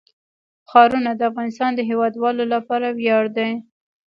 ښارونه د افغانستان د هیوادوالو لپاره ویاړ دی.